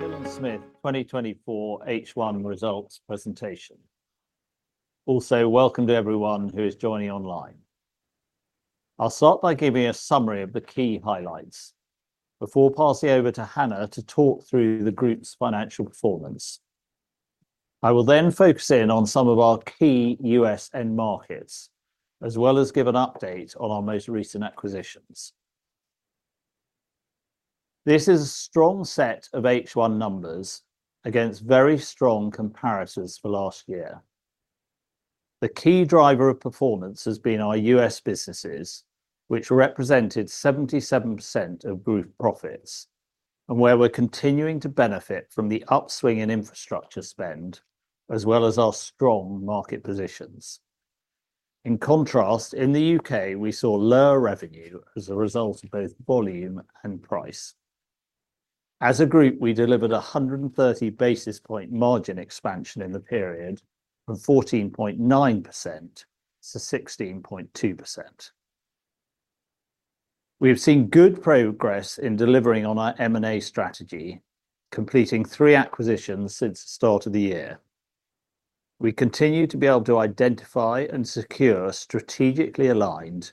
Hill & Smith 2024 H1 results presentation. Also, welcome to everyone who is joining online. I'll start by giving a summary of the key highlights before passing over to Hannah to talk through the group's financial performance. I will then focus in on some of our key U.S. end markets, as well as give an update on our most recent acquisitions. This is a strong set of H1 numbers against very strong comparators for last year. The key driver of performance has been our U.S. businesses, which represented 77% of group profits, and where we're continuing to benefit from the upswing in infrastructure spend, as well as our strong market positions. In contrast, in the U.K., we saw lower revenue as a result of both volume and price. As a group, we delivered 130 basis point margin expansion in the period from 14.9% to 16.2%. We have seen good progress in delivering on our M&A strategy, completing three acquisitions since the start of the year. We continue to be able to identify and secure strategically aligned,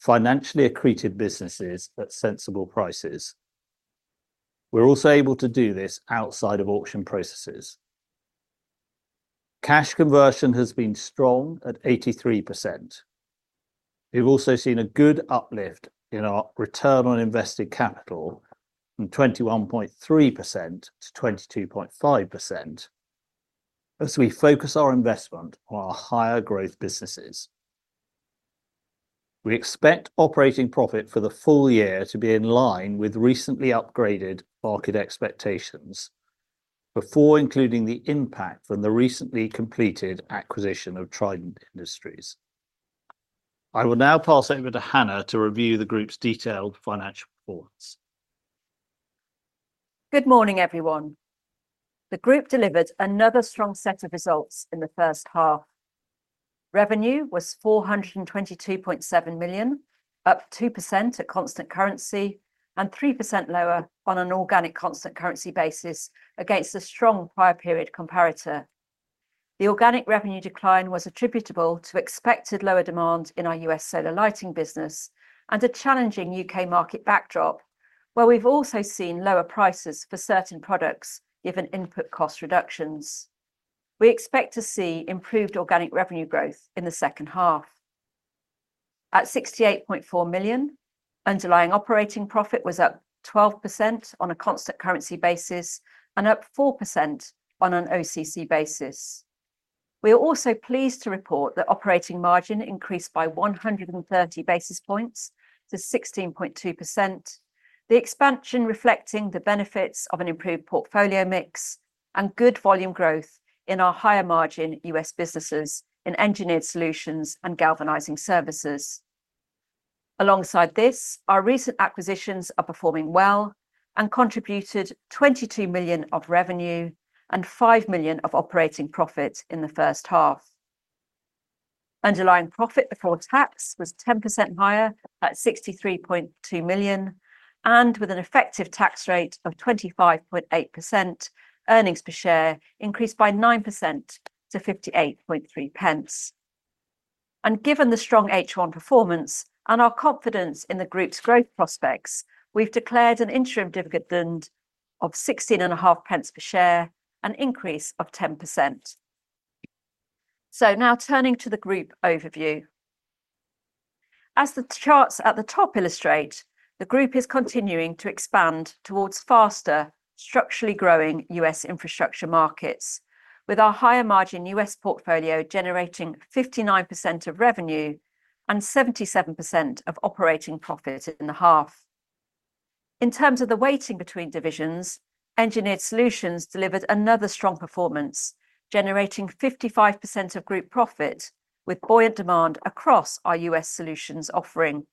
financially accretive businesses at sensible prices. We're also able to do this outside of auction processes. Cash conversion has been strong at 83%. We've also seen a good uplift in our return on invested capital, from 21.3% to 22.5%, as we focus our investment on our higher growth businesses. We expect operating profit for the full year to be in line with recently upgraded market expectations, before including the impact from the recently completed acquisition of Trident Industries. I will now pass over to Hannah to review the group's detailed financial performance. Good morning, everyone. The group delivered another strong set of results in the first half. Revenue was 422.7 million, up 2% at constant currency and 3% lower on an organic constant currency basis against a strong prior period comparator. The organic revenue decline was attributable to expected lower demand in our U.S. Solar Lighting business and a challenging U.K. market backdrop, where we've also seen lower prices for certain products, given input cost reductions. We expect to see improved organic revenue growth in the second half. At 68.4 million, underlying operating profit was up 12% on a constant currency basis and up 4% on an OCC basis. We are also pleased to report that operating margin increased by 130 basis points to 16.2%, the expansion reflecting the benefits of an improved portfolio mix and good volume growth in our higher margin U.S. businesses in Engineered Solutions and Galvanizing Services. Alongside this, our recent acquisitions are performing well and contributed 22 million of revenue and 5 million of operating profit in the first half. Underlying profit before tax was 10% higher at 63.2 million, and with an effective tax rate of 25.8%, earnings per share increased by 9% to 58.3 pence. And given the strong H1 performance and our confidence in the Group's growth prospects, we've declared an interim dividend of 16.5 pence per share, an increase of 10%. So now turning to the group overview. As the charts at the top illustrate, the Group is continuing to expand towards faster, structurally growing U.S. infrastructure markets, with our higher margin U.S. portfolio generating 59% of revenue and 77% of operating profit in the half. In terms of the weighting between divisions, Engineered Solutions delivered another strong performance, generating 55% of group profit, with buoyant demand across our U.S. solutions offering.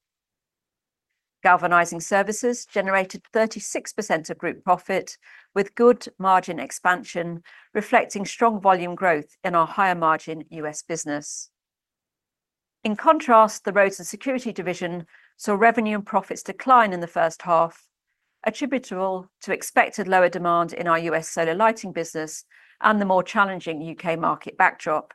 Galvanizing Services generated 36% of group profit, with good margin expansion, reflecting strong volume growth in our higher margin U.S. business. In contrast, the Roads & Security division saw revenue and profits decline in the first half, attributable to expected lower demand in our U.S. Solar Lighting business and the more challenging U.K. market backdrop.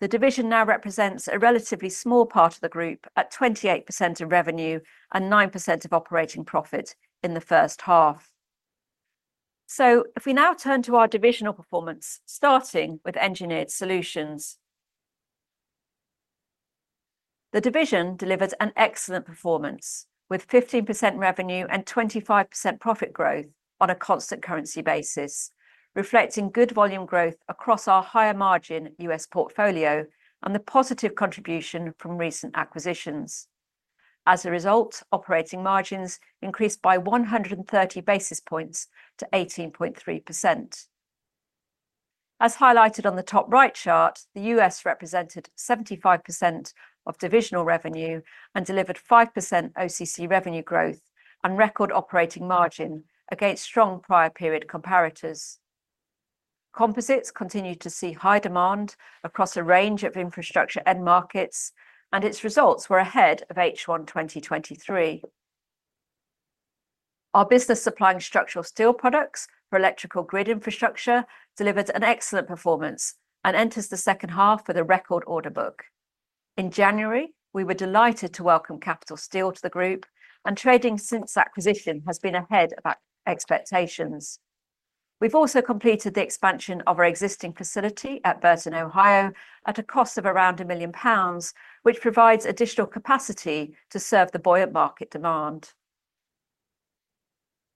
The division now represents a relatively small part of the group at 28% of revenue and 9% of operating profit in the first half. So if we now turn to our divisional performance, starting with Engineered Solutions. The division delivered an excellent performance, with 15% revenue and 25% profit growth on a constant currency basis, reflecting good volume growth across our higher margin U.S. portfolio and the positive contribution from recent acquisitions. As a result, operating margins increased by 130 basis points to 18.3%. As highlighted on the top right chart, the U.S. represented 75% of divisional revenue and delivered 5% OCC revenue growth and record operating margin against strong prior period comparators. Composites continued to see high demand across a range of infrastructure end markets, and its results were ahead of H1 2023. Our business, supplying structural steel products for electrical grid infrastructure, delivered an excellent performance and enters the second half with a record order book. In January, we were delighted to welcome Capital Steel to the Group, and trading since acquisition has been ahead of our expectations. We've also completed the expansion of our existing facility at Burton, Ohio, at a cost of around 1 million pounds, which provides additional capacity to serve the buoyant market demand.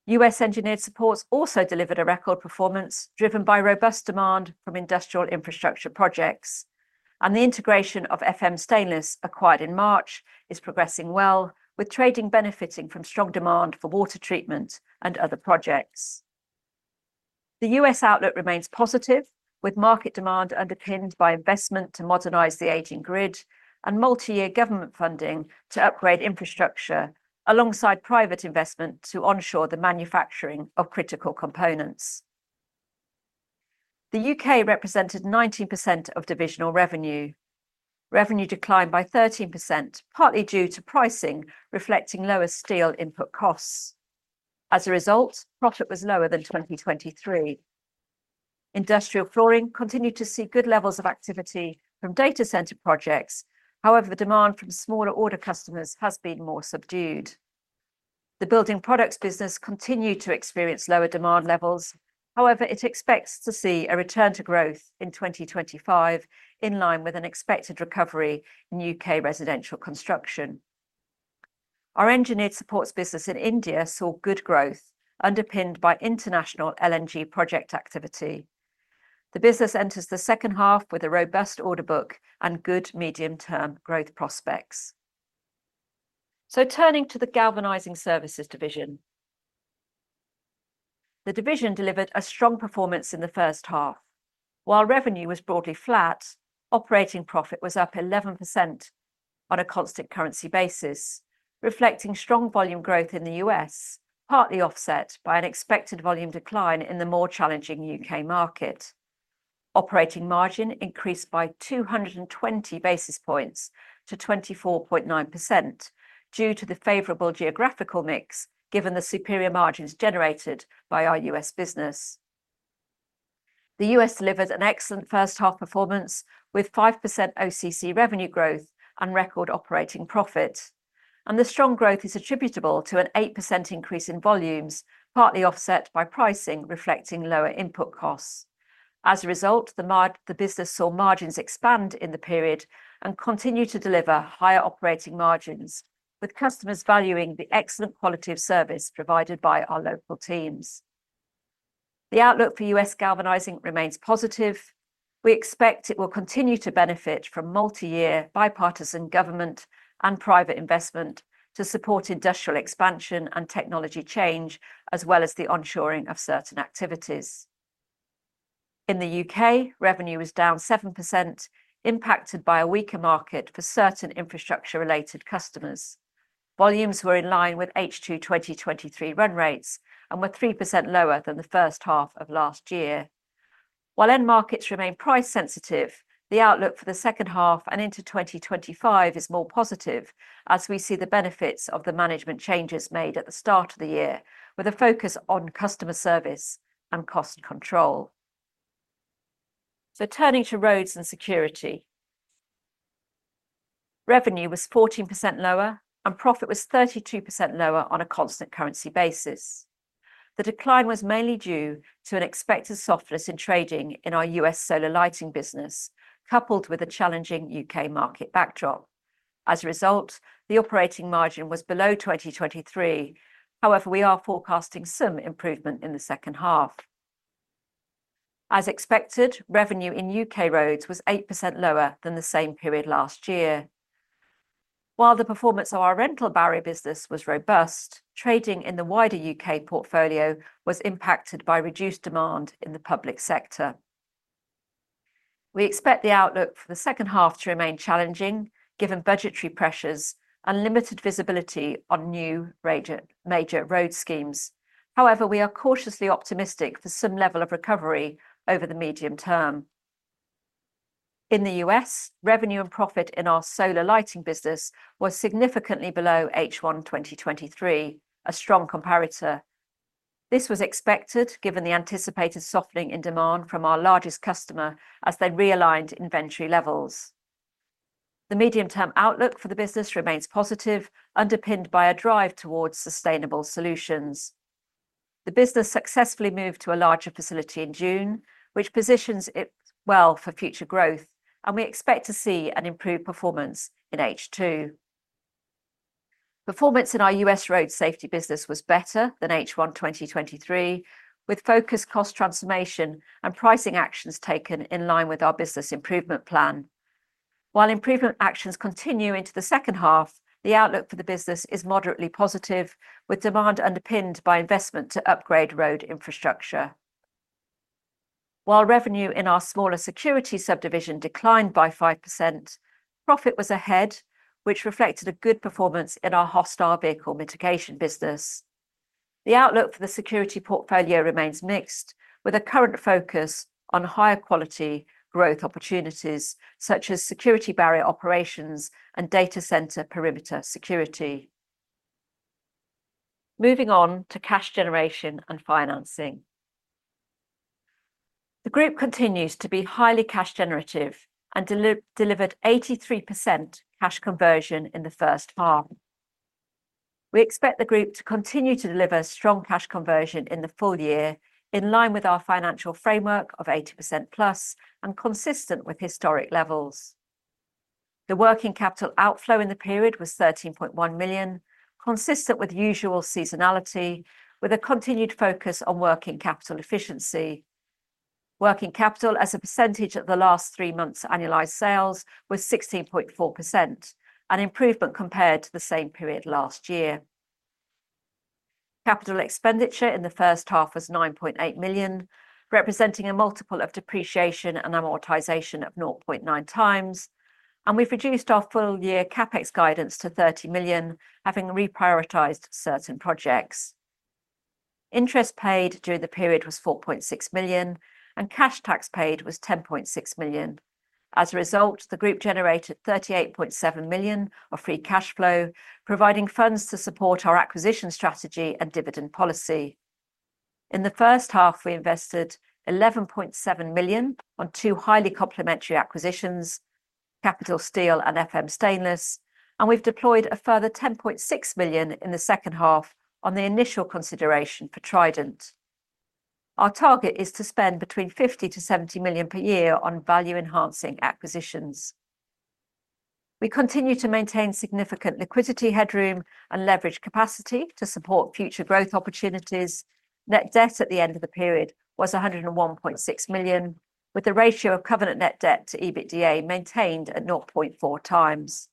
U.S. Engineered Supports also delivered a record performance, driven by robust demand from industrial infrastructure projects, and the integration of FM Stainless, acquired in March, is progressing well, with trading benefiting from strong demand for water treatment and other projects. The U.S. outlook remains positive, with market demand underpinned by investment to modernize the aging grid and multi-year government funding to upgrade infrastructure, alongside private investment to onshore the manufacturing of critical components. The U.K. represented 19% of divisional revenue. Revenue declined by 13%, partly due to pricing, reflecting lower steel input costs. As a result, profit was lower than 2023. Industrial flooring continued to see good levels of activity from data center projects. However, the demand from smaller order customers has been more subdued. The Building Products business continued to experience lower demand levels. However, it expects to see a return to growth in 2025, in line with an expected recovery in U.K. residential construction. Our Engineered Supports business in India saw good growth, underpinned by international LNG project activity. The business enters the second half with a robust order book and good medium-term growth prospects. So turning to the ,Galvanizing Services division. The division delivered a strong performance in the first half. While revenue was broadly flat, operating profit was up 11% on a constant currency basis, reflecting strong volume growth in the U.S., partly offset by an expected volume decline in the more challenging U.K. market. Operating margin increased by 200 basis points to 24.9% due to the favorable geographical mix, given the superior margins generated by our U.S. business. The U.S. delivered an excellent first half performance, with 5% OCC revenue growth and record operating profit, and the strong growth is attributable to an 8% increase in volumes, partly offset by pricing, reflecting lower input costs. As a result, the business saw margins expand in the period and continued to deliver higher operating margins, with customers valuing the excellent quality of service provided by our local teams. The outlook for U.S. galvanizing remains positive. We expect it will continue to benefit from multi-year, bipartisan government and private investment to support industrial expansion and technology change, as well as the onshoring of certain activities. In the U.K., revenue was down 7%, impacted by a weaker market for certain infrastructure-related customers. Volumes were in line with H2 2023 run rates and were 3% lower than the first half of last year. While end markets remain price sensitive, the outlook for the second half and into 2025 is more positive as we see the benefits of the management changes made at the start of the year, with a focus on customer service and cost control. So turning to Roads & Security. Revenue was 14% lower, and profit was 32% lower on a constant currency basis. The decline was mainly due to an expected softness in trading in our U.S. Solar Lighting business, coupled with a challenging U.K. market backdrop. As a result, the operating margin was below 2023. However, we are forecasting some improvement in the second half. As expected, revenue in U.K. roads was 8% lower than the same period last year. While the performance of our Rental Barrier business was robust, trading in the wider U.K. portfolio was impacted by reduced demand in the public sector. We expect the outlook for the second half to remain challenging, given budgetary pressures and limited visibility on new major road schemes. However, we are cautiously optimistic for some level of recovery over the medium term. In the U.S., revenue and profit in our Solar Lighting business was significantly below H1 2023, a strong comparator. This was expected, given the anticipated softening in demand from our largest customer as they realigned inventory levels. The medium-term outlook for the business remains positive, underpinned by a drive towards sustainable solutions. The business successfully moved to a larger facility in June, which positions it well for future growth, and we expect to see an improved performance in H2. Performance in our U.S. Road Safety business was better than H1 2023, with focused cost transformation and pricing actions taken in line with our Business Improvement Plan. While improvement actions continue into the second half, the outlook for the business is moderately positive, with demand underpinned by investment to upgrade road infrastructure. While revenue in our smaller security subdivision declined by 5%, profit was ahead, which reflected a good performance in our Hostile Vehicle Mitigation business. The outlook for the security portfolio remains mixed, with a current focus on higher quality growth opportunities, such as security barrier operations and data center perimeter security. Moving on to cash generation and financing. The group continues to be highly cash generative and delivered 83% cash conversion in the first half. We expect the group to continue to deliver strong cash conversion in the full year, in line with our Financial Framework of 80%+, and consistent with historic levels. The working capital outflow in the period was 13.1 million, consistent with usual seasonality, with a continued focus on working capital efficiency. Working capital as a percentage of the last three months' annualized sales was 16.4%, an improvement compared to the same period last year. Capital expenditure in the first half was 9.8 million, representing a multiple of depreciation and amortization of 0.9 times, and we've reduced our full year CapEx guidance to 30 million, having reprioritized certain projects. Interest paid during the period was 4.6 million, and cash tax paid was 10.6 million. As a result, the group generated 38.7 million of free cash flow, providing funds to support our Acquisition Strategy and Dividend policy. In the first half, we invested 11.7 million on two highly complementary acquisitions, Capital Steel and FM Stainless, and we've deployed a further 10.6 million in the second half on the initial consideration for Trident. Our target is to spend between 50 million-70 million per year on value-enhancing acquisitions. We continue to maintain significant liquidity headroom and leverage capacity to support future growth opportunities. Net debt at the end of the period was 101.6 million, with the ratio of covenant net debt to EBITDA maintained at 0.4 times.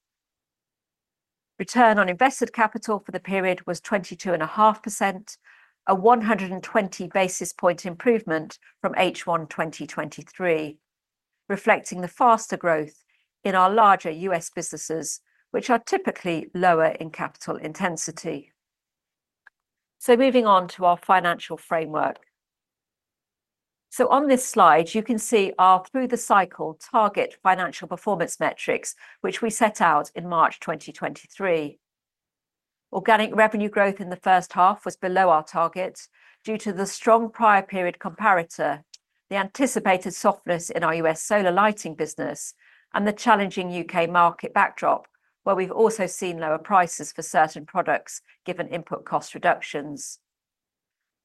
Return on invested capital for the period was 22.5%, a 120 basis point improvement from H1 2023, reflecting the faster growth in our larger U.S. businesses, which are typically lower in capital intensity. So moving on to our Financial Framework. So on this slide, you can see our through the cycle target financial performance metrics, which we set out in March 2023. Organic revenue growth in the first half was below our target due to the strong prior period comparator, the anticipated softness in our U.S. Solar Lighting business, and the challenging U.K. market backdrop, where we've also seen lower prices for certain products, given input cost reductions.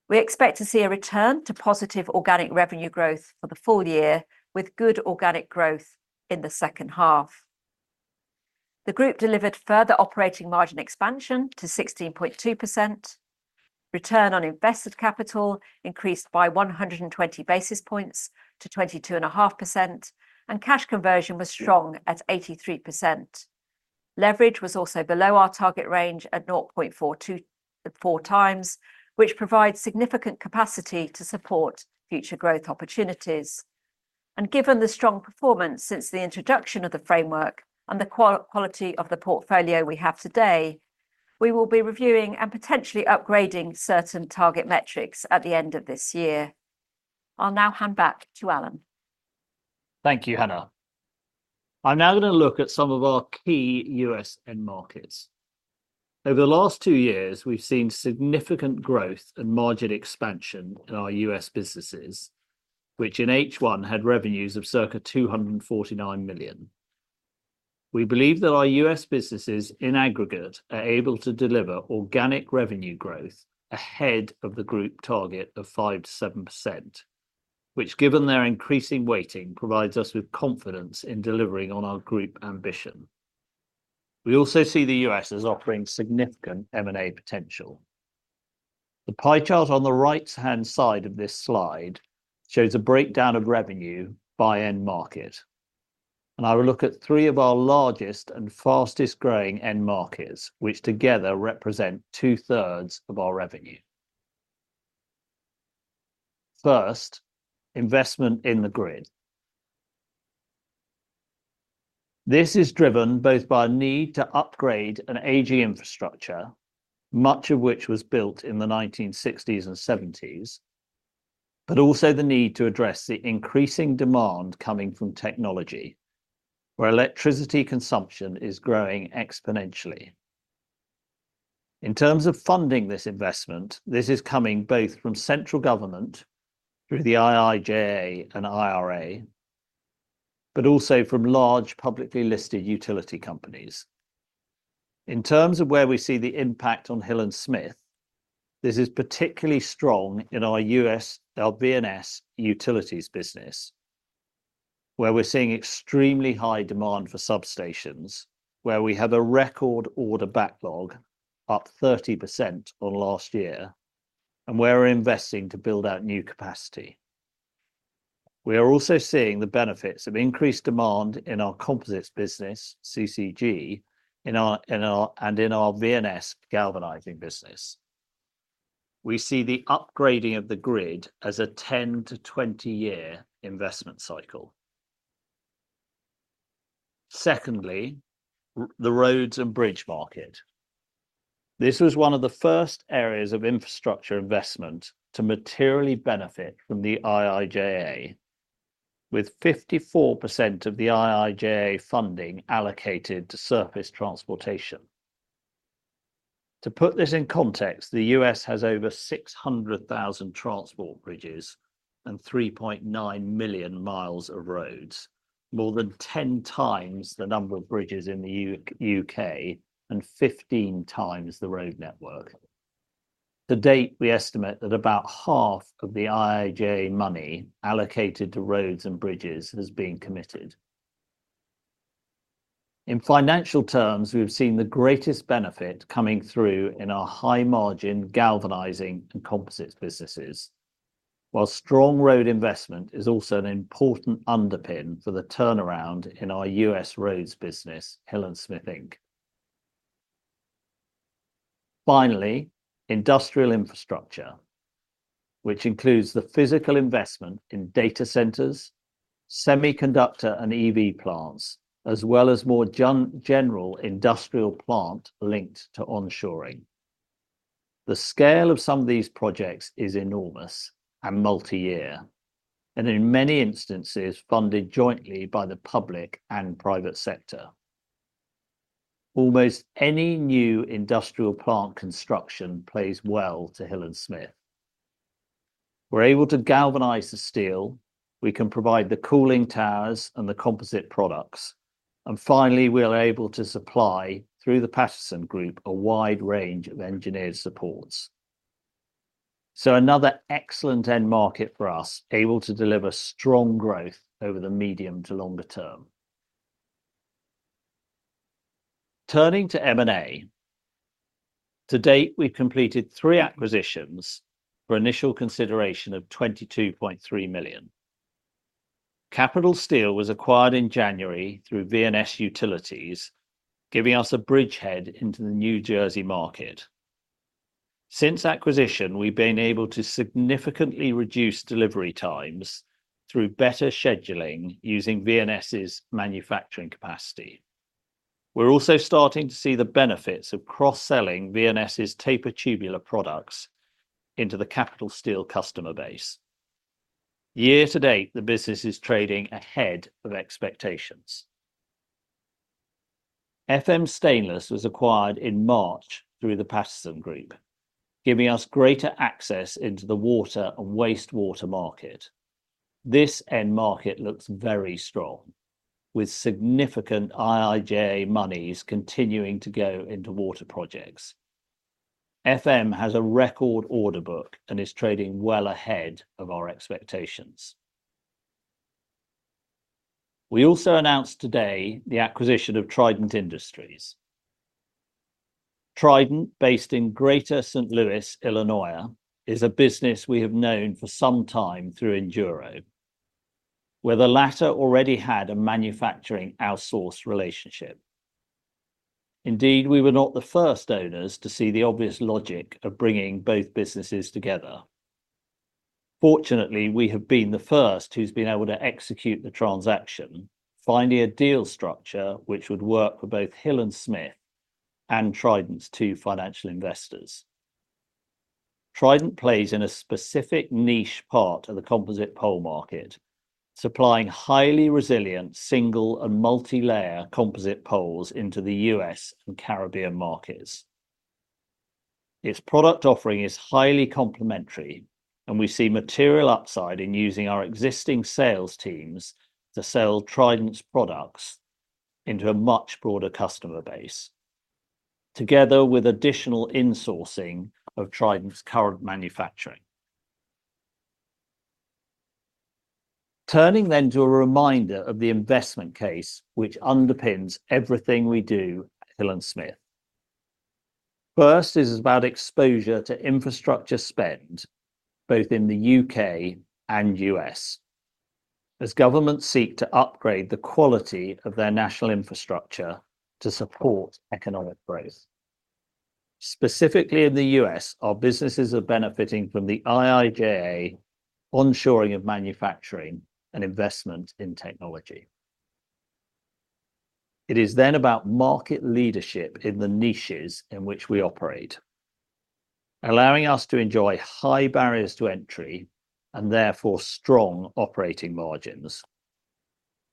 We expect to see a return to positive organic revenue growth for the full year, with good organic growth in the second half. The group delivered further operating margin expansion to 16.2%. Return on invested capital increased by 100 basis points to 22.5%, and cash conversion was strong at 83%. Leverage was also below our target range at 0.42-0.4 times, which provides significant capacity to support future growth opportunities. Given the strong performance since the introduction of the framework and the quality of the portfolio we have today, we will be reviewing and potentially upgrading certain target metrics at the end of this year. I'll now hand back to Alan. Thank you, Hannah. I'm now going to look at some of our key U.S. end markets. Over the last two years, we've seen significant growth and margin expansion in our U.S. businesses, which in H1 had revenues of circa 249 million. We believe that our U.S. businesses, in aggregate, are able to deliver organic revenue growth ahead of the Group target of 5%-7%, which, given their increasing weighting, provides us with confidence in delivering on our Group ambition. We also see the U.S. as offering significant M&A potential. The pie chart on the right-hand side of this slide shows a breakdown of revenue by end market, and I will look at three of our largest and fastest-growing end markets, which together represent 2/3 of our revenue. First, investment in the grid. This is driven both by a need to upgrade an aging infrastructure, much of which was built in the 1960s and 1970s, but also the need to address the increasing demand coming from technology, where electricity consumption is growing exponentially. In terms of funding this investment, this is coming both from central government through the IIJA and IRA, but also from large, publicly listed utility companies. In terms of where we see the impact on Hill & Smith, this is particularly strong in our U.S., our V&S Utilities business, where we're seeing extremely high demand for substations, where we have a record order backlog, up 30% on last year, and we're investing to build out new capacity. We are also seeing the benefits of increased demand in our composites business, CCG, and in our V&S Galvanizing business. We see the upgrading of the grid as a 10-20-year investment cycle. Secondly, the roads and bridge market. This was one of the first areas of infrastructure investment to materially benefit from the IIJA, with 54% of the IIJA funding allocated to surface transportation. To put this in context, the U.S. has over 600,000 transport bridges and 3.9 million miles of roads, more than 10 times the number of bridges in the U.K., and 15 times the road network. To date, we estimate that about half of the IIJA money allocated to roads and bridges has been committed. In financial terms, we have seen the greatest benefit coming through in our high-margin galvanizing and composites businesses, while strong road investment is also an important underpin for the turnaround in our US roads business, Hill & Smith Inc. Finally, industrial infrastructure, which includes the physical investment in data centers, semiconductor and EV plants, as well as more general industrial plant linked to onshoring. The scale of some of these projects is enormous and multi-year, and in many instances, funded jointly by the public and private sector. Almost any new industrial plant construction plays well to Hill & Smith. We're able to galvanize the steel, we can provide the cooling towers and the composite products, and finally, we're able to supply, through the Paterson Group, a wide range of engineered supports. So another excellent end market for us, able to deliver strong growth over the medium to longer term. Turning to M&A, to date, we've completed three acquisitions for initial consideration of 22.3 million. Capital Steel was acquired in January through V&S Utilities, giving us a bridgehead into the New Jersey market. Since acquisition, we've been able to significantly reduce delivery times through better scheduling using V&S's manufacturing capacity. We're also starting to see the benefits of cross-selling V&S's taper tubular products into the Capital Steel customer base. Year to date, the business is trading ahead of expectations. FM Stainless was acquired in March through the Paterson Group, giving us greater access into the water and wastewater market. This end market looks very strong, with significant IIJA monies continuing to go into water projects. FM has a record order book and is trading well ahead of our expectations. We also announced today the acquisition of Trident Industries. Trident, based in Greater St. Louis, Illinois, is a business we have known for some time through Enduro, where the latter already had a manufacturing outsource relationship. Indeed, we were not the first owners to see the obvious logic of bringing both businesses together. Fortunately, we have been the first who's been able to execute the transaction, finding a deal structure which would work for both Hill & Smith and Trident's two financial investors. Trident plays in a specific niche part of the composite pole market, supplying highly resilient single and multi-layer composite poles into the U.S. and Caribbean markets. Its product offering is highly complementary, and we see material upside in using our existing sales teams to sell Trident's products into a much broader customer base, together with additional insourcing of Trident's current manufacturing. Turning then to a reminder of the investment case, which underpins everything we do at Hill & Smith. First is about exposure to infrastructure spend, both in the U.K. and U.S., as governments seek to upgrade the quality of their national infrastructure to support economic growth. Specifically in the U.S., our businesses are benefiting from the IIJA onshoring of manufacturing and investment in technology. It is then about market leadership in the niches in which we operate, allowing us to enjoy high barriers to entry and therefore strong operating margins.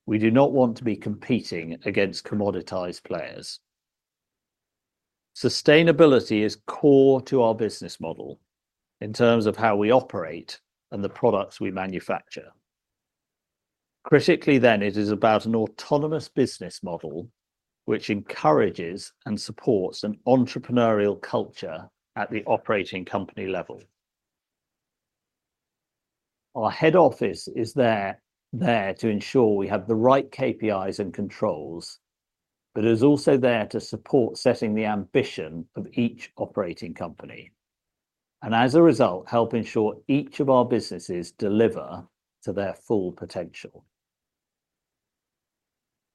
We do not want to be competing against commoditized players. Sustainability is core to our business model in terms of how we operate and the products we manufacture. Critically then, it is about an autonomous business model which encourages and supports an entrepreneurial culture at the operating company level. Our head office is there, there to ensure we have the right KPIs and controls, but is also there to support setting the ambition of each operating company, and as a result, help ensure each of our businesses deliver to their full potential.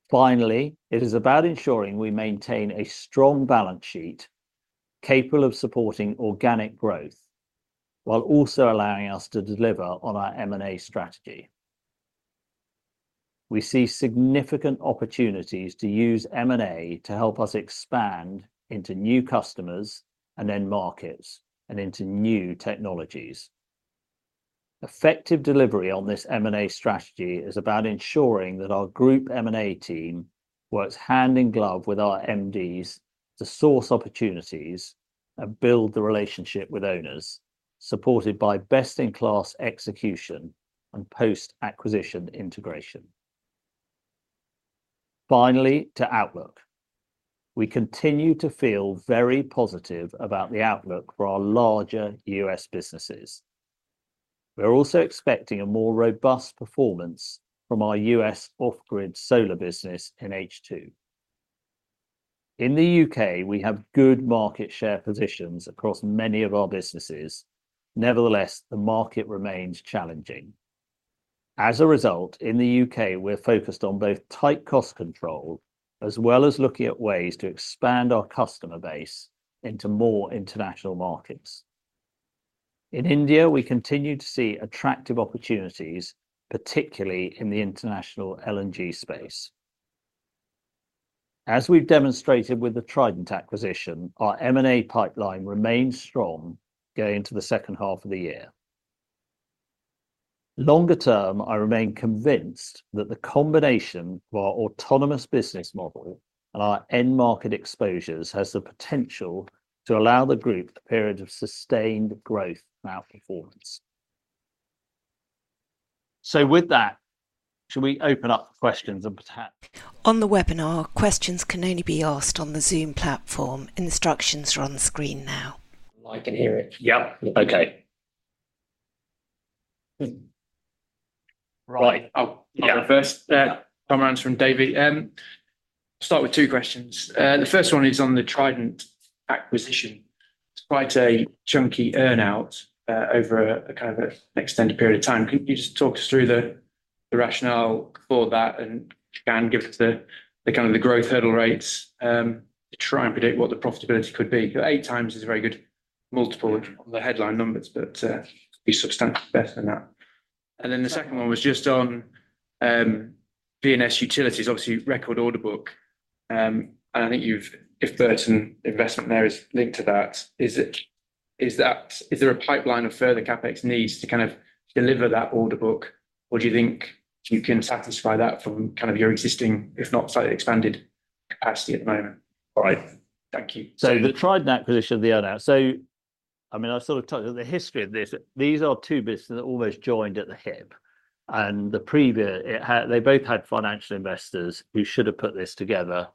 Finally, it is about ensuring we maintain a strong balance sheet capable of supporting organic growth while also allowing us to deliver on our M&A strategy. We see significant opportunities to use M&A to help us expand into new customers and end markets, and into new technologies. Effective delivery on this M&A strategy is about ensuring that our group M&A team works hand in glove with our MDs to source opportunities and build the relationship with owners, supported by best-in-class execution and post-acquisition integration. Finally, to outlook. We continue to feel very positive about the outlook for our larger U.S. businesses. We're also expecting a more robust performance from our U.S. off-grid solar business in H2. In the U.K., we have good market share positions across many of our businesses. Nevertheless, the market remains challenging. As a result, in the UK, we're focused on both tight cost control, as well as looking at ways to expand our customer base into more international markets. In India, we continue to see attractive opportunities, particularly in the international LNG space. As we've demonstrated with the Trident acquisition, our M&A pipeline remains strong going into the second half of the year. Longer term, I remain convinced that the combination of our autonomous business model and our end market exposures has the potential to allow the group a period of sustained growth in our performance. So with that, should we open up for questions and perhaps? On the webinar, questions can only be asked on the Zoom platform. Instructions are on the screen now. I can hear it. Yep, okay. Right. I'll- Yeah Go first. [Comments] from Davey. Start with two questions. The first one is on the Trident acquisition. It's quite a chunky earn-out, over a, kind of, an extended period of time. Can you just talk us through the, the rationale for that, and if you can, give us the, the kind of the growth hurdle rates, to try and predict what the profitability could be? 8x is a very good multiple on the headline numbers, but, it could be substantially better than that. And then the second one was just on, V&S Utilities, obviously record order book. And I think you've, if Burton investment there is linked to that, is it, is that, is there a pipeline of further CapEx needs to kind of deliver that order book? Or do you think you can satisfy that from kind of your existing, if not slightly expanded, capacity at the moment? All right. Thank you. So the Trident acquisition, the earn-out. So, I mean, I've sort of talked about the history of this. These are two businesses that almost joined at the hip, and the previous, they both had financial investors who should have put this together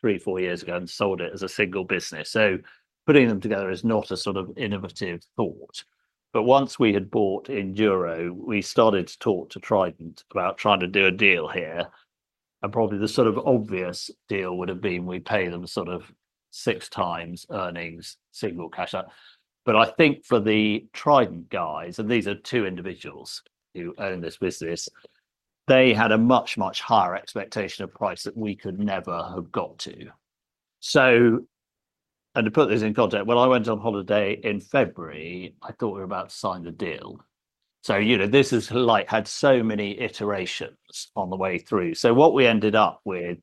three, four years ago and sold it as a single business. So putting them together is not a sort of innovative thought. But once we had bought Enduro, we started to talk to Trident about trying to do a deal here, and probably the sort of obvious deal would have been we pay them sort of 6x earnings, single cash out. But I think for the Trident guys, and these are two individuals who own this business, they had a much, much higher expectation of price that we could never have got to. So, and to put this in context, when I went on holiday in February, I thought we were about to sign the deal. So, you know, this has, like, had so many iterations on the way through. So what we ended up with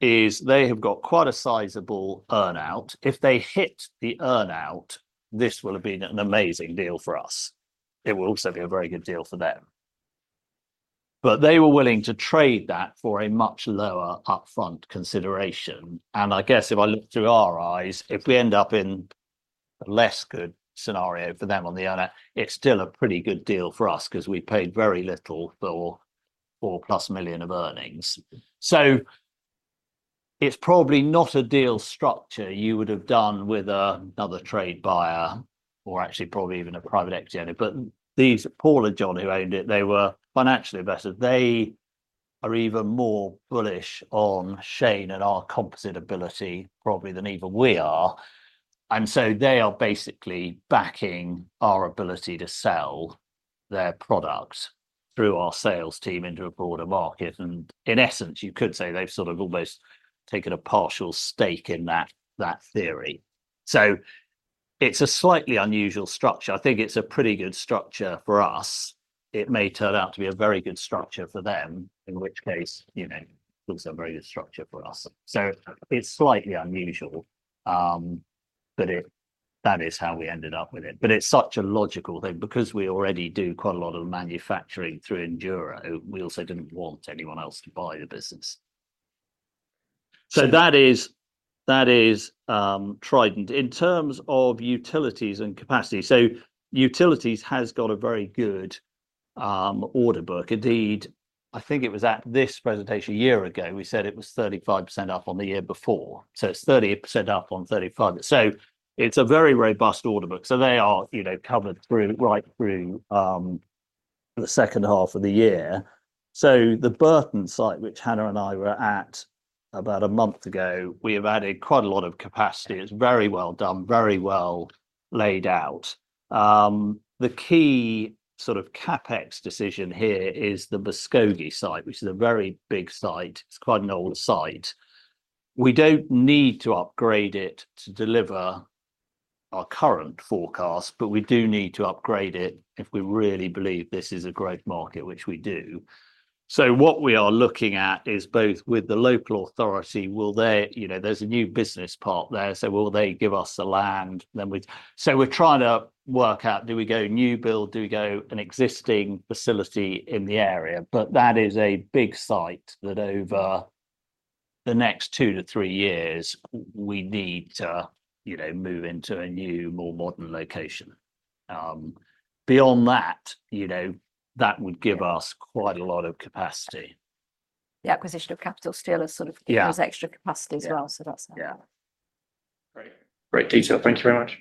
is they have got quite a sizable earn-out. If they hit the earn-out, this will have been an amazing deal for us. It will also be a very good deal for them. But they were willing to trade that for a much lower upfront consideration. And I guess if I look through our eyes, if we end up in a less good scenario for them on the earn-out, it's still a pretty good deal for us, 'cause we paid very little for 4+ million of earnings. So it's probably not a deal structure you would have done with another trade buyer, or actually probably even a private equity owner. But these, Paul and John, who owned it, they were financially invested. They are even more bullish on Shane and our composite ability, probably than even we are. And so they are basically backing our ability to sell their product through our sales team into a broader market. And in essence, you could say they've sort of almost taken a partial stake in that, that theory. So it's a slightly unusual structure. I think it's a pretty good structure for us. It may turn out to be a very good structure for them, in which case, you know, it's also a very good structure for us. So it's slightly unusual, but it, that is how we ended up with it. But it's such a logical thing, because we already do quite a lot of manufacturing through Enduro, we also didn't want anyone else to buy the business. So that is, that is, Trident. In terms of utilities and capacity, so utilities has got a very good, order book. Indeed, I think it was at this presentation a year ago, we said it was 35% up on the year before, so it's 38% up on 35%. So it's a very robust order book. So they are, you know, covered through, right through, the second half of the year. So, the Burton site, which Hannah and I were at about a month ago, we have added quite a lot of capacity. It's very well done, very well laid out. The key sort of CapEx decision here is the Muskogee site, which is a very big site. It's quite an old site. We don't need to upgrade it to deliver our current forecast, but we do need to upgrade it if we really believe this is a growth market, which we do. So what we are looking at is both with the local authority. Will they? You know, there's a new business park there, so will they give us the land? Then we. So we're trying to work out, do we go new build, do we go an existing facility in the area? But that is a big site that over the next two to three years, we need to, you know, move into a new, more modern location. Beyond that, you know, that would give us quite a lot of capacity. The acquisition of Capital Steel has sort of given us extra capacity as well. Yeah. So that's that. Yeah. Great. Great detail. Thank you very much.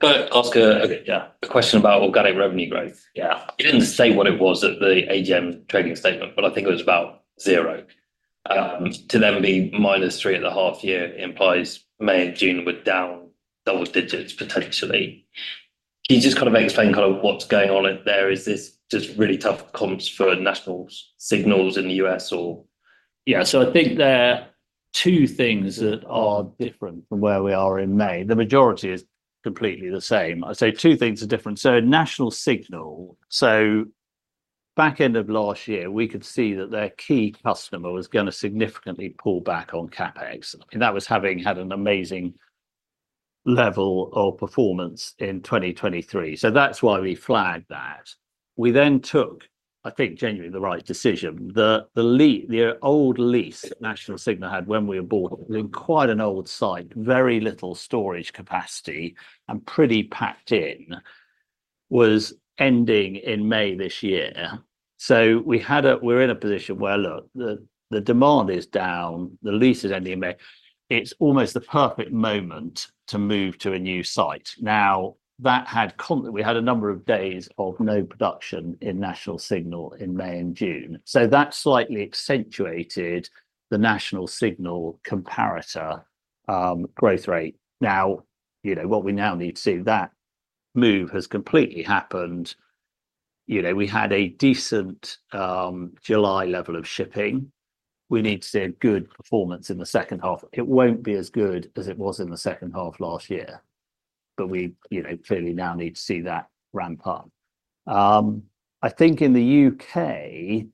Can I ask a question about organic revenue growth? Yeah. You didn't say what it was at the AGM trading statement, but I think it was about zero. To then be minus three at the half year implies May and June were down double digits, potentially. Can you just kind of explain kind of what's going on there? Is this just really tough comps for National Signal in the U.S., or? Yeah, so I think there are two things that are different from where we are in May. The majority is completely the same. I'd say two things are different. So National Signal, so back end of last year, we could see that their key customer was gonna significantly pull back on CapEx, and that was having had an amazing level of performance in 2023. So that's why we flagged that. We then took, I think, genuinely the right decision. The old lease National Signal had when we bought it, it was quite an old site, very little storage capacity, and pretty packed in, was ending in May this year. So we were in a position where, look, the demand is down, the lease is ending in May. It's almost the perfect moment to move to a new site. Now, that had – we had a number of days of no production in National Signal in May and June, so that slightly accentuated the National Signal comparator, growth rate. Now, you know, what we now need to see, that move has completely happened. You know, we had a decent, July level of shipping. We need to see a good performance in the second half. It won't be as good as it was in the second half last year, but we, you know, clearly now need to see that ramp up. I think in the U.K.,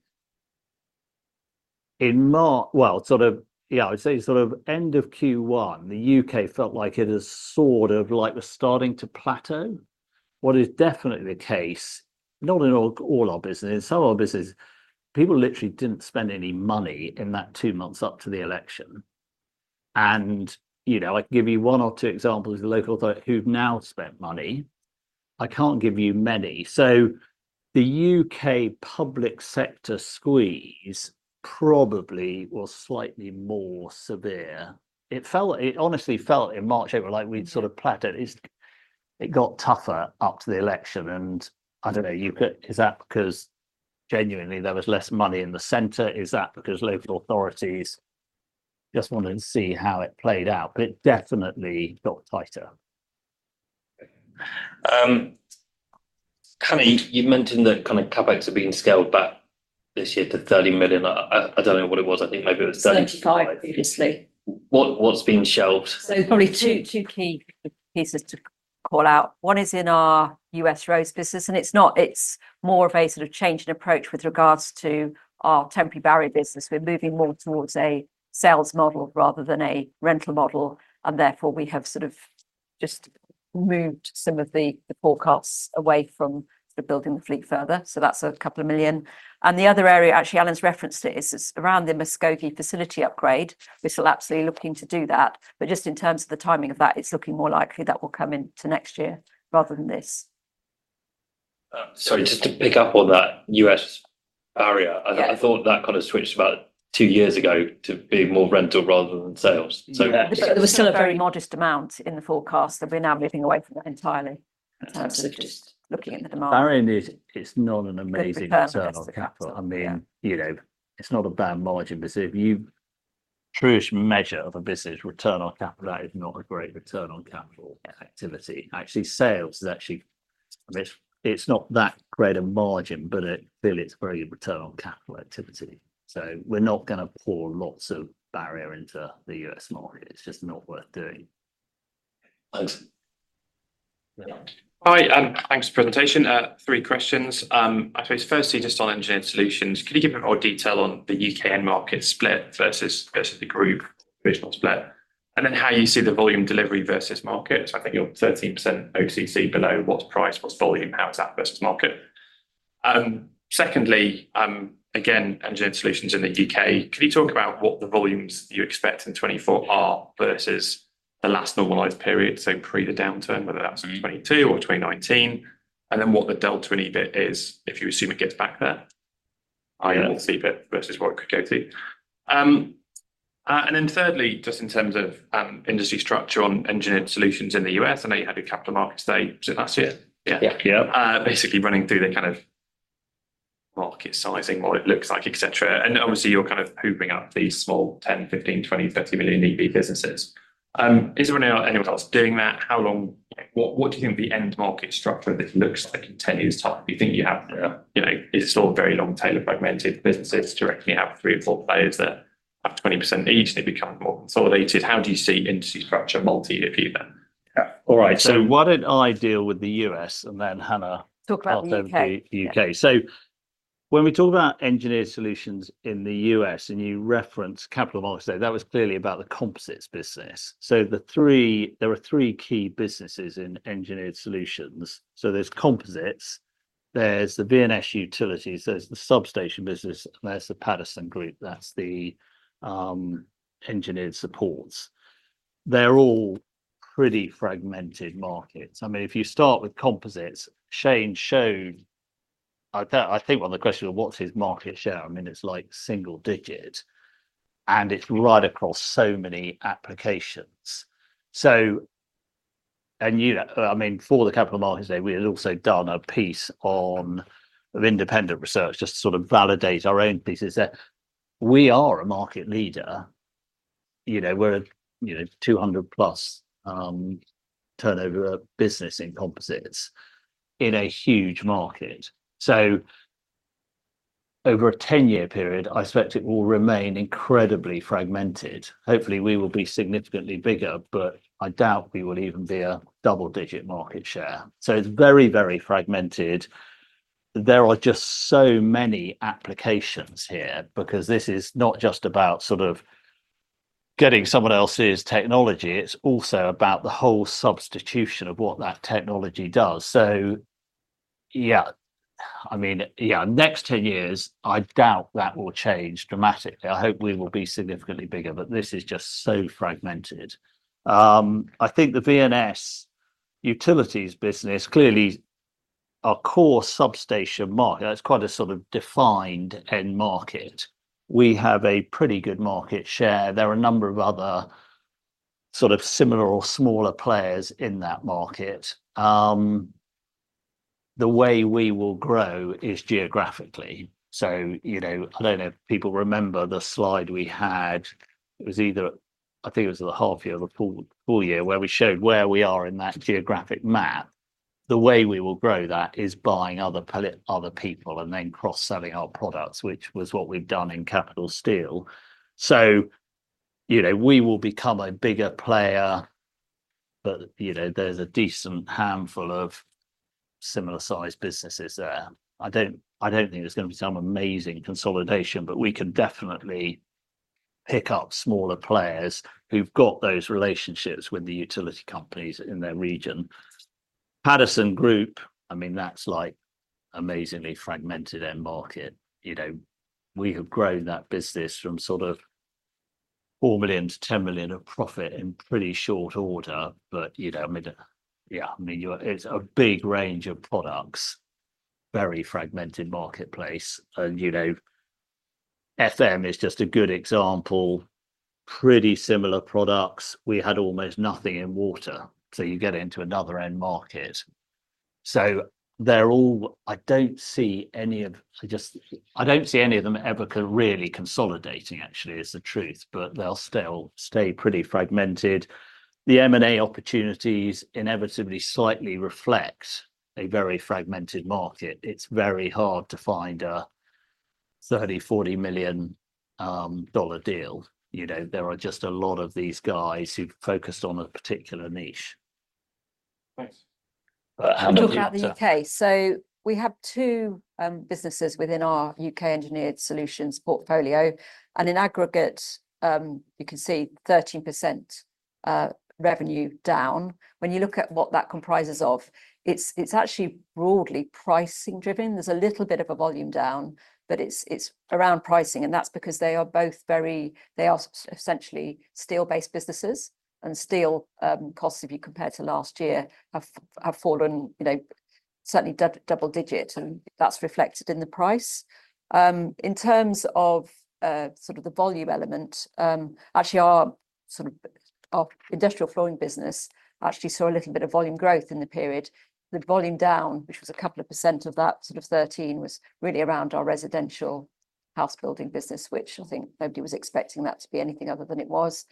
in March. Well, sort of, yeah, I'd say sort of end of Q1, the U.K. felt like it had sort of, like, was starting to plateau. What is definitely the case, not in all, all our businesses, some of our businesses, people literally didn't spend any money in that two months up to the election. And, you know, I can give you one or two examples of the local authorities who've now spent money. I can't give you many. So the U.K. public sector squeeze probably was slightly more severe. It felt, it honestly felt in March, April, like we'd sort of plateaued. It, it got tougher after the election, and I don't know, U.K., is that 'cause genuinely there was less money in the center? Is that because local authorities just wanted to see how it played out? But it definitely got tighter. Kind of you've mentioned that kind of CapEx have been scaled back this year to 30 million. I don't know what it was, I think maybe it was- 35 million previously. What, what's been shelved? So probably two, two key pieces to call out. One is in our U.S. Roads business, and it's not, it's more of a sort of change in approach with regards to our temporary barrier business. We're moving more towards a sales model rather than a rental model, and therefore, we have sort of just moved some of the, the forecasts away from the building the fleet further. So that's 2 million. And the other area, actually, Alan's referenced it, is around the Muskogee facility upgrade. We're still absolutely looking to do that, but just in terms of the timing of that, it's looking more likely that will come into next year rather than this. Sorry, just to pick up on that U.S. barrier. Yeah. I thought that kind of switched about two years ago to being more rental rather than sales. So- Yeah, there was still a very modest amount in the forecast, and we're now moving away from that entirely. So just looking at the demand. Barrier is, it's not an amazing return on capital. Return on capital. I mean, you know, it's not a bad margin, but if you true-ish measure of a business return on capital, that is not a great return on capital activity. Actually, sales is actually, I mean, it's not that great a margin, but it really it's very good return on capital activity. So we're not gonna pour lots of barrier into the U.S. market. It's just not worth doing. Thanks. Hi, thanks for the presentation. Three questions. I suppose firstly, just on Engineered Solutions, could you give a bit more detail on the U.K. end market split versus, versus the group regional split, and then how you see the volume delivery versus market? I think you're 13% OCC below. What's price, what's volume, how is that versus market? Secondly, again, Engineered Solutions in the U.K., could you talk about what the volumes you expect in 2024 are versus the last normalized period, so pre the downturn, whether that's 2022 or 2019, and then what the delta in EBIT is, if you assume it gets back there? I.e., EBIT versus what it could go to. And then thirdly, just in terms of, industry structure on Engineered Solutions in the U.S., I know you had a capital market state last year. Yeah. Yeah. Yeah. Basically running through the market sizing, what it looks like, et cetera, and obviously you're kind of hoovering up these small 10 million, 15 million, 20 million, 30 million EV businesses. Is there anyone else doing that? Like, what do you think the end market structure of this looks like in 10 years' time? Do you think you have, you know, is it still a very long tail of fragmented businesses, do you reckon you have three or four players that have 20% each, and it become more consolidated? How do you see industry structure multi year for you, then? Yeah. All right, so why don't I deal with the U.S., and then Hannah- Talk about the U.K. Talk about the U.K. So when we talk about engineered solutions in the U.S., and you referenced capital markets there, that was clearly about the composites business. So there are three key businesses in engineered solutions. So there's composites, there's the V&S Utilities, there's the substation business, and there's the Patterson Group. That's the engineered supports. They're all pretty fragmented markets. I mean, if you start with composites, Shane showed. I think on the question of what's his market share, I mean, it's, like, single digit, and it's right across so many applications. And you know, I mean, for the capital markets day, we had also done a piece of independent research just to sort of validate our own pieces, that we are a market leader. You know, we're a, you know, $200+ million turnover business in composites in a huge market. So over a 10-year period, I expect it will remain incredibly fragmented. Hopefully, we will be significantly bigger, but I doubt we will even be a double-digit market share. So it's very, very fragmented. There are just so many applications here, because this is not just about sort of getting someone else's technology, it's also about the whole substitution of what that technology does. So, yeah, I mean, yeah, next 10 years, I doubt that will change dramatically. I hope we will be significantly bigger, but this is just so fragmented. I think the V&S Utilities business, clearly our core substation market, that's quite a sort of defined end market. We have a pretty good market share. There are a number of other sort of similar or smaller players in that market. The way we will grow is geographically. So, you know, I don't know if people remember the slide we had, it was either, I think it was the half year or the full, full year, where we showed where we are in that geographic map. The way we will grow that is buying other players- other people and then cross-selling our products, which was what we've done in Capital Steel. So, you know, we will become a bigger player, but, you know, there's a decent handful of similar-sized businesses there. I don't, I don't think there's gonna be some amazing consolidation, but we can definitely pick up smaller players who've got those relationships with the utility companies in their region. Paterson Group, I mean, that's like amazingly fragmented end market. You know, we have grown that business from sort of $4 million to $10 million of profit in pretty short order, but, you know, I mean, yeah, I mean, It's a big range of products, very fragmented marketplace and, you know, FM is just a good example, pretty similar products. We had almost nothing in water, so you get into another end market. So they're all... I don't see any of them ever really consolidating, actually, is the truth, but they'll still stay pretty fragmented. The M&A opportunities inevitably slightly reflect a very fragmented market. It's very hard to find a $30 million-$40 million deal. You know, there are just a lot of these guys who've focused on a particular niche. Thanks. Uh, Hannah? I'll talk about the U.K.. So we have two businesses within our U.K. Engineered solutions portfolio, and in aggregate, you can see 13% revenue down. When you look at what that comprises of, it's actually broadly pricing driven. There's a little bit of a volume down, but it's around pricing, and that's because they are both very they are essentially steel-based businesses, and steel costs, if you compare to last year, have fallen, you know, certainly double digit, and that's reflected in the price. In terms of sort of the volume element, actually our sort of our industrial flooring business actually saw a little bit of volume growth in the period. The volume down, which was a couple of percent of that, sort of 13%, was really around our Residential House Building business, which I think nobody was expecting that to be anything other than it was.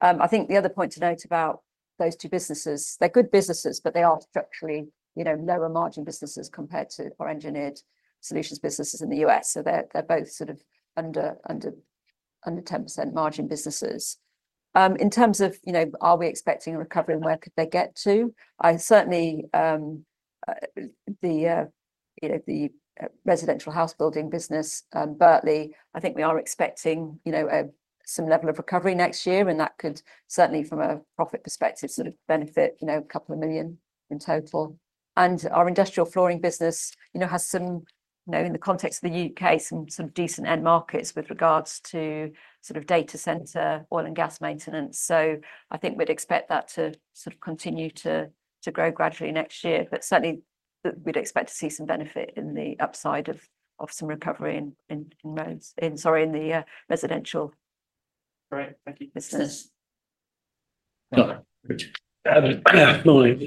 I think the other point to note about those two businesses, they're good businesses, but they are structurally, you know, lower margin businesses compared to our engineered solutions businesses in the U.S., so they're both sort of under 10% margin businesses. In terms of, you know, are we expecting a recovery and where could they get to? I certainly, you know, the Residential House Building business, Birtley, I think we are expecting, you know, some level of recovery next year, and that could certainly from a profit perspective, sort of benefit, you know, 2 million in total. And our Industrial Flooring business, you know, has some, you know, in the context of the U.K., some decent end markets with regards to sort of data center, oil and gas maintenance. So I think we'd expect that to sort of continue to grow gradually next year, but certainly we'd expect to see some benefit in the upside of some recovery in, sorry, in the residential business. Great. Thank you. Well,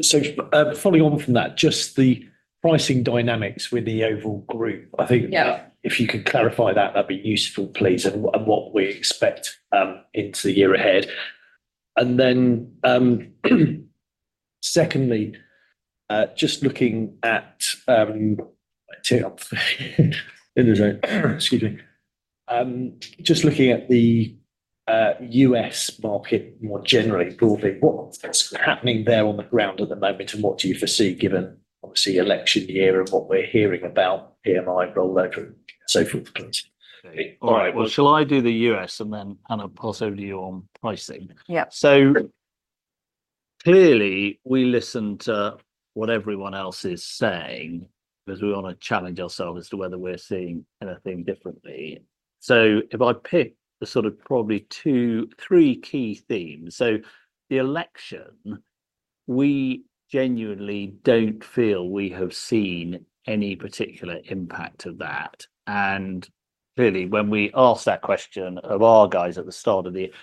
so, following on from that, just the pricing dynamics with the overall group, I think- Yeah If you could clarify that, that'd be useful, please, and what we expect into the year ahead. And then, secondly, just looking at the U.S. market more generally, broadly, what's happening there on the ground at the moment, and what do you foresee, given, obviously, election year and what we're hearing about PMI growth rate and so forth, please? Okay. All right. Well, shall I do the U.S., and then, Hannah, pass over to you on pricing? Yeah. So clearly we listen to what everyone else is saying, because we want to challenge ourselves as to whether we're seeing anything differently. So if I pick the sort of probably two, three key themes, so the election, we genuinely don't feel we have seen any particular impact of that. And clearly, when we asked that question of our guys at the start of the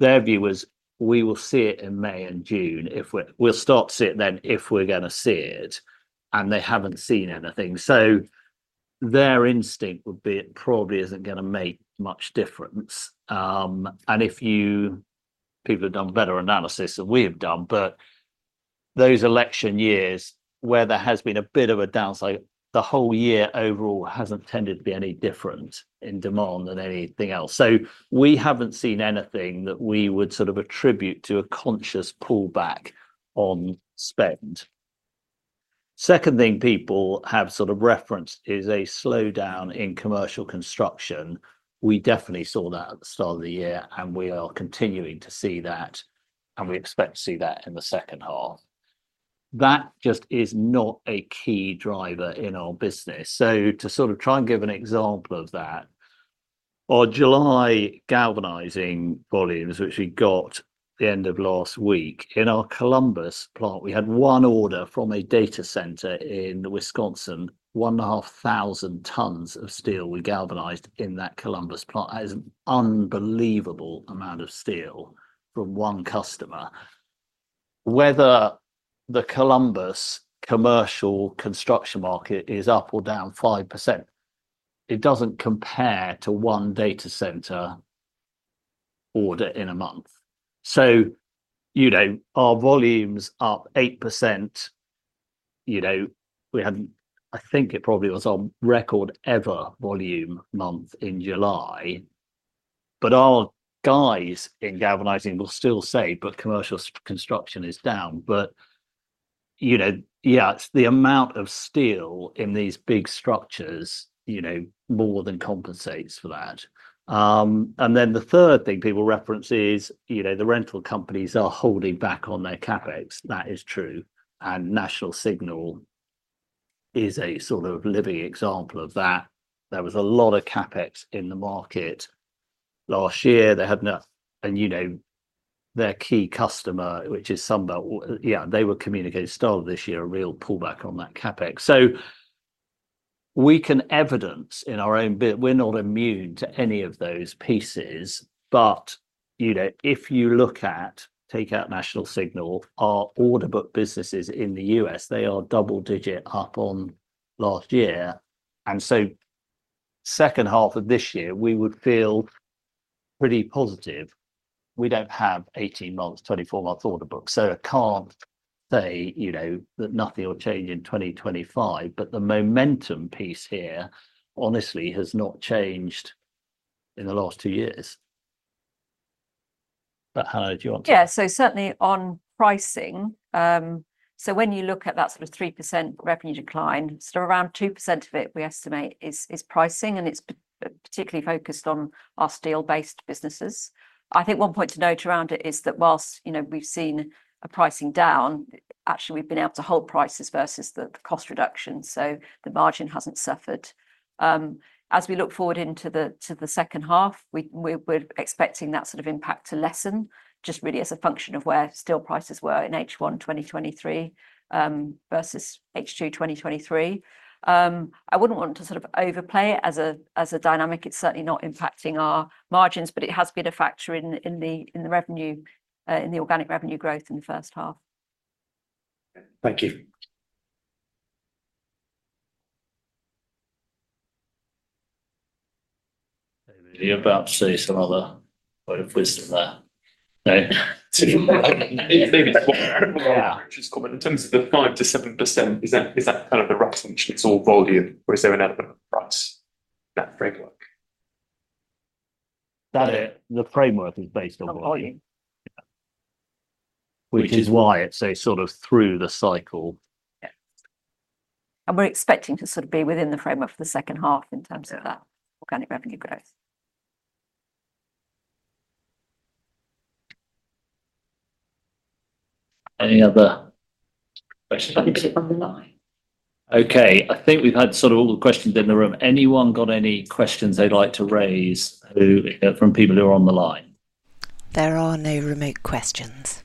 their view was, "We will see it in May and June, if we're... We'll start to see it then if we're gonna see it," and they haven't seen anything. So their instinct would be it probably isn't gonna make much difference. And if people have done better analysis than we have done, but those election years where there has been a bit of a downside, the whole year overall hasn't tended to be any different in demand than anything else. So we haven't seen anything that we would sort of attribute to a conscious pullback on spend. Second thing people have sort of referenced is a slowdown in commercial construction. We definitely saw that at the start of the year, and we are continuing to see that, and we expect to see that in the second half. That just is not a key driver in our business. So to sort of try and give an example of that, our July galvanizing volumes, which we got the end of last week, in our Columbus plant, we had one order from a data center in Wisconsin, 1,500 tons of steel we galvanized in that Columbus plant. That is an unbelievable amount of steel from one customer. Whether the Columbus Commercial Construction market is up or down 5%, it doesn't compare to one data center order in a month. So, you know, our volume's up 8%. You know, we had, I think it probably was our record-ever volume month in July. But our guys in galvanizing will still say, "But commercial construction is down." But, you know, yeah, the amount of steel in these big structures, you know, more than compensates for that. And then the third thing people reference is, you know, the rental companies are holding back on their CapEx. That is true, and National Signal is a sort of living example of that. There was a lot of CapEx in the market last year. They had enough. You know, their key customer, which is Sunbelt, yeah, they were communicating the start of this year a real pullback on that CapEx. So we can evidence in our own bit, we're not immune to any of those pieces. But, you know, if you look at, take out National Signal, our order book businesses in the U.S., they are double digit up on last year. And so second half of this year, we would feel pretty positive. We don't have 18 months, 24 months order book, so I can't say, you know, that nothing will change in 2025, but the momentum piece here honestly has not changed in the last two years. But, Hannah, do you want to? Yeah, so certainly on pricing, so when you look at that sort of 3% revenue decline, sort of around 2% of it, we estimate, is pricing, and it's particularly focused on our steel-based businesses. I think one point to note around it is that while, you know, we've seen a pricing down, actually, we've been able to hold prices versus the cost reduction, so the margin hasn't suffered. As we look forward into the second half, we're expecting that sort of impact to lessen, just really as a function of where steel prices were in H1 2023 versus H2 2023. I wouldn't want to sort of overplay it as a dynamic. It's certainly not impacting our margins, but it has been a factor in the revenue, in the organic revenue growth in the first half. Thank you. You're about to see some other word of wisdom there. In terms of the 5%-7%, is that, is that kind of the rough estimate, it's all volume, or is there an element of price, that framework? That, the framework is based on volume. Which is why it's a sort of through the cycle. Yeah. We're expecting to sort of be within the framework for the second half in terms of that organic revenue growth. Any other questions? On the line. Okay, I think we've had sort of all the questions in the room. Anyone got any questions they'd like to raise, who from people who are on the line? There are no remote questions.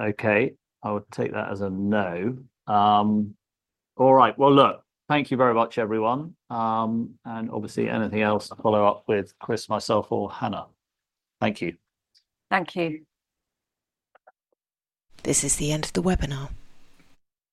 Okay, I will take that as a no. All right. Well, look, thank you very much, everyone. And obviously anything else, follow up with Chris, myself, or Hannah. Thank you. Thank you. This is the end of the webinar.